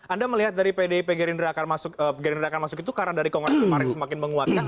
anda melihat dari pdip gerindra akan masuk itu karena dari kongres kemarin semakin menguatkan